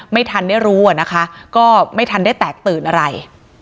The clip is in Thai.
ไม่ทันได้รู้อะนะคะก็ไม่ทันได้แตกตื่นอะไร